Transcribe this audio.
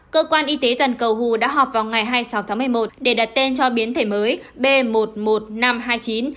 cơ quan y tế toàn cầu hu đã họp vào ngày hai mươi sáu tháng một mươi một để đặt tên cho biến thể mới b một mươi một nghìn năm trăm hai mươi chín